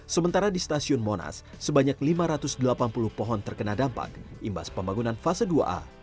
sementara di stasiun monas sebanyak lima ratus delapan puluh pohon terkena dampak imbas pembangunan fase dua a